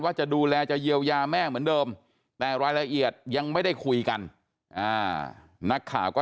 จะดูแลจะเยียวยาแม่เหมือนเดิมแต่รายละเอียดยังไม่ได้คุยกันนักข่าวก็